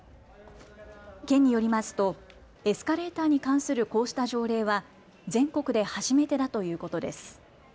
県によりますとエスカレーターに関するこうした条例は全国で初めてだということです。